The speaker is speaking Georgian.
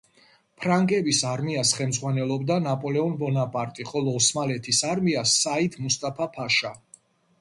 ფრანგების არმიას ხელმძღვანელობდა ნაპოლეონ ბონაპარტი, ხოლო ოსმალეთის არმიას საიდ მუსტაფა-ფაშა.